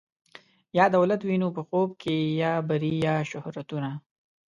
یا دولت وینو په خوب کي یا بری یا شهرتونه